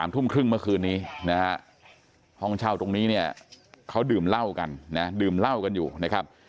ทุ่มครึ่งเมื่อคืนนี้นะฮะห้องเช่าตรงนี้เนี่ยเขาดื่มเหล้ากันนะดื่มเหล้ากันอยู่นะครับ